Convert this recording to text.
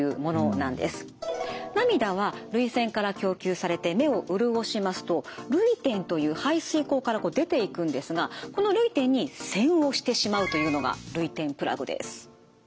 涙は涙腺から供給されて目を潤しますと涙点という排水口から出ていくんですがこの涙点に栓をしてしまうというのが涙点プラグです。